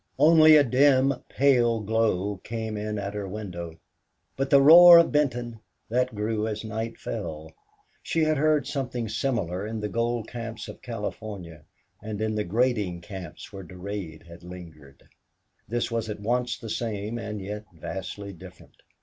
Only a dim, pale glow came in at her window. But the roar of Benton that grew as night fell. She had heard something similar in the gold camps of California and in the grading camps where Durade had lingered; this was at once the same and yet vastly different.